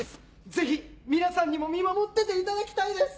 ぜひ皆さんにも見守ってていただきたいです！